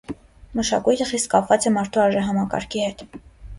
Մշակույթը խիստ կապված է մարդու արժեհամակարգի հետ։